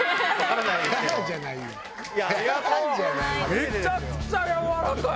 めちゃくちゃやわらかい。